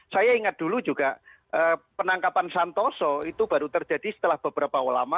saya ingat dulu juga penangkapan santoso itu baru terjadi setelah beberapa ulama